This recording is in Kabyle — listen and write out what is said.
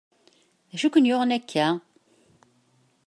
D acu i ken-yuɣen akka?